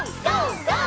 ＧＯ！